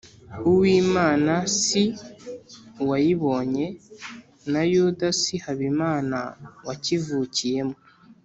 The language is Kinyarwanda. uwimana si uwayibonye, na yuda si habimana wakivukiyemo